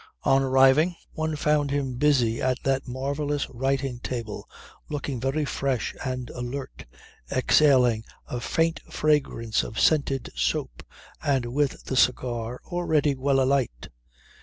On arriving one found him busy at that marvellous writing table, looking very fresh and alert, exhaling a faint fragrance of scented soap and with the cigar already well alight.